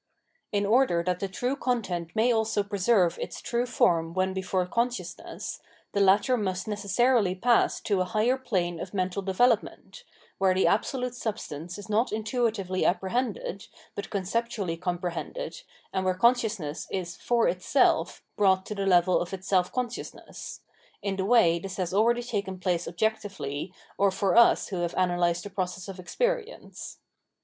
*In order that the true content may also preserve its true form when before consciousness, the latter must necessarily pass to a higher plane of mental develop ment, where the Absolute Substance is not intuitively apprehended but conceptually comprehended and where consciousness is for itself brought to the level of its self consciousness ;— ^in the way this has already taken place objectively or for us [who have analysed the pro cess of e55)erience].